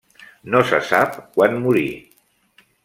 No se sap quan morí.